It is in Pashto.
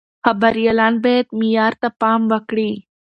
خبريالان بايد معيار ته پام وکړي.